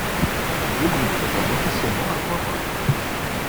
Le groupe se forme officiellement à Coimbra.